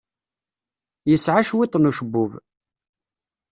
Yesɛa cwiṭ n ucebbub.